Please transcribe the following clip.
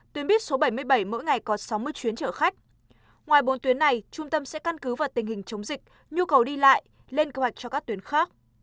tuyến buýt số bảy mươi bảy mỗi ngày có sáu mươi chuyến chở khách ngoài bốn tuyến này trung tâm sẽ căn cứ vào tình hình chống dịch nhu cầu đi lại lên kế hoạch cho các tuyến khác